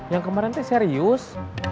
yang kemarin serius